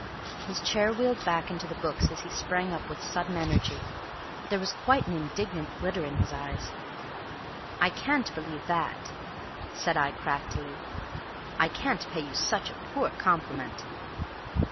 His chair wheeled back into the books as he sprang up with sudden energy. There was quite an indignant glitter in his eyes. "I can't believe that," said I craftily. "I can't pay you such a poor compliment!"